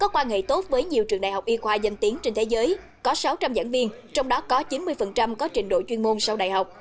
qua danh tiếng trên thế giới có sáu trăm linh giảng viên trong đó có chín mươi có trình độ chuyên môn sau đại học